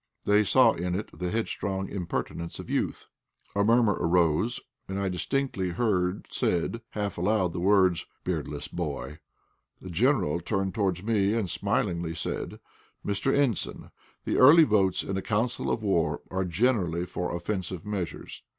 They saw in it the headstrong impertinence of youth. A murmur arose, and I distinctly heard said, half aloud, the words, "Beardless boy." The General turned towards me, and smilingly said "Mr. Ensign, the early votes in a council of war are generally for offensive measures.